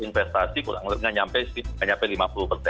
investasi kurang lebih nggak nyampe lima puluh